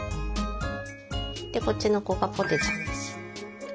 こっちの子がぽてちゃんです。